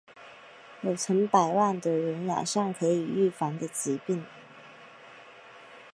有成百万的人染上可以预防的疾病。